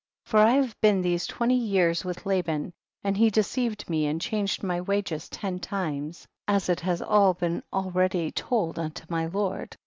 3. For I have been these twenty years with Laban, and he deceived me and changed my wages ten times, as it has all been already told unto my lord.